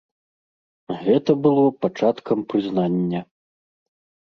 Гэта было пачаткам прызнання.